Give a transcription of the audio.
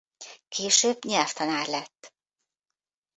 Később nyelvtanár lett.